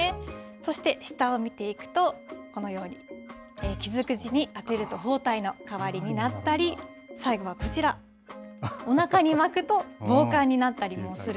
そして下を見ていくと、このように、傷口にあてると包帯の代わりになったり、最後はこちら、おなかに巻くと、しますもんね。